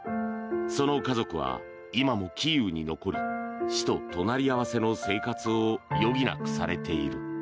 その家族は今もキーウに残り死と隣り合わせの生活を余儀なくされている。